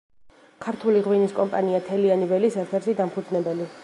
ქართული ღვინის კომპანია „თელიანი ველის“ ერთ-ერთი დამფუძნებელი.